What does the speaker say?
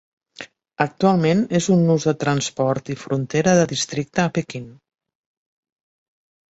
Actualment és un nus de transport i frontera de districte a Pequín.